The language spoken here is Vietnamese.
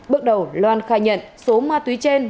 bước đầu loan khai nhận số ma túy trên